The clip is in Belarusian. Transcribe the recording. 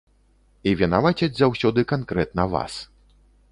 І вінавацяць заўсёды канкрэтна вас.